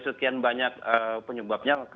sekian banyak penyebabnya